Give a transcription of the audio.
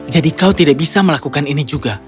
jadi kau tidak bisa melakukan ini juga